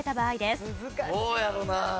どうやろな？